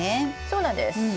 そうなんです。